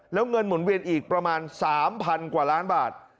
แล้วเงินหมุนเวียนอีกประมาณ๓๐๐กว่าล้านบาท